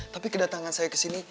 tapi kedatangan saya kesini